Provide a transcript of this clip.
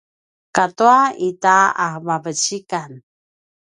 katu ita a vavecikan